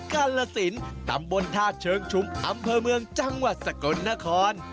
กาลสินตำบลธาตุเชิงชุมอำเภอเมืองจังหวัดสกลนคร